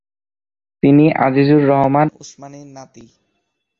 তিনি ছিলেন আজিজুর রহমান উসমানির নাতি।